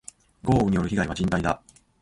豪雨による被害は甚大だ。